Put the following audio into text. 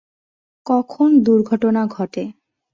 কখন দুর্ঘটনা ঘটে?